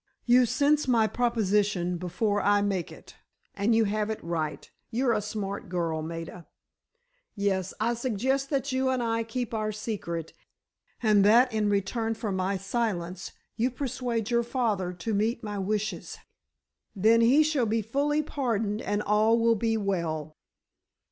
"You sense my proposition before I make it. And you have it right—you're a smart girl, Maida. Yes, I suggest that you and I keep our secret, and that in return for my silence you persuade your father to meet my wishes. Then, he shall be fully pardoned, and all will be well."